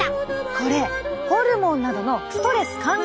これホルモンなどのストレス関連物質。